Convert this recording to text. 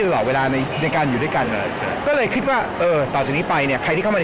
พ่อมาออกกำลังกายกันดีกว่า